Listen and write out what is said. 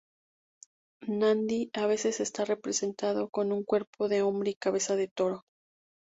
Nandi, a veces, está representado con un cuerpo de hombre y cabeza de toro.